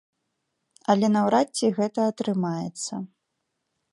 Але наўрад ці гэта атрымаецца.